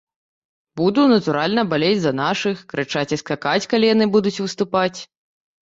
Буду, натуральна, балець за нашых, крычаць і скакаць, калі яны будуць выступаць.